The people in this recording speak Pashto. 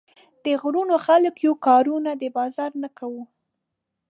د غرونو خلک يو، کارونه د بازار نۀ کوو